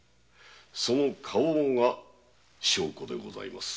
その花押が証拠でございます。